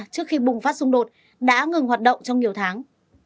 trước khi bùng phát xung đột đã ngừng hoạt động trong nhiều tháng